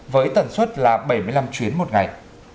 với tần suất là bảy mươi năm chuyến một ngày